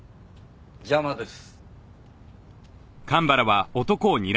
邪魔です。